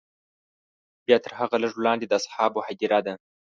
بیا تر هغه لږ وړاندې د اصحابو هدیره ده.